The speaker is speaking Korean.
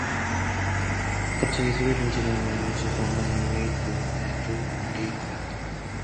갑자기 소리를 지르는 영숙 어머니의 눈에도 눈물이 괴었다.